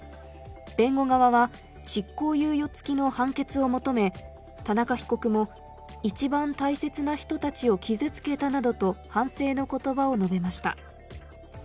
弁護側は執行猶予付きの判決を求め田中被告も一番大切な人たちを傷つけたなどと反省の言葉を述べました。